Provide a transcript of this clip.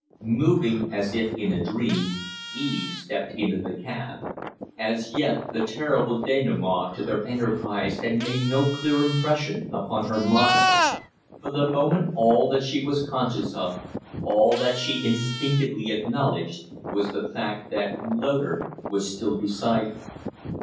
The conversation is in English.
Moving as if in a dream, Eve stepped into the cab. As yet the terrible denouement to their enterprise had made no clear impression upon her mind. For the moment all that she was conscious of, all that she instinctively acknowledged, was the fact that Loder was still beside her.